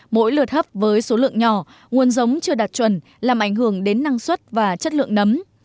mỗi lượt hấp với số lượng nhỏ nguồn giống chưa đạt chuẩn làm ảnh hưởng đến năng suất và chất lượng nấm